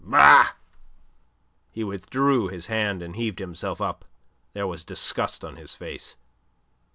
"Bah!" He withdrew his hand, and heaved himself up. There was disgust on his face.